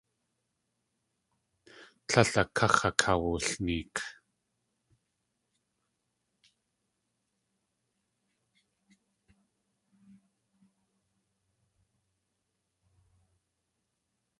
Tlél a káx̲ akawulneek.